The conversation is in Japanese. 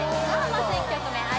まず１曲目あ